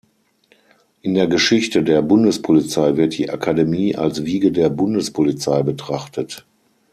In der Geschichte der Bundespolizei wird die Akademie als "Wiege der Bundespolizei" betrachtet.